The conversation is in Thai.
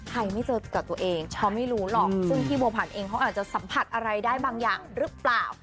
ไม่เจอกับตัวเองช้อไม่รู้หรอกซึ่งพี่บัวผันเองเขาอาจจะสัมผัสอะไรได้บางอย่างหรือเปล่า